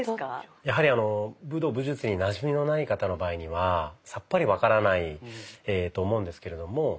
やはり武道・武術になじみのない方の場合にはさっぱり分からないと思うんですけれども。